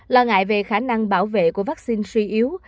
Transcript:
lo ngại về khả năng bảo vệ của vắc xin suy yếu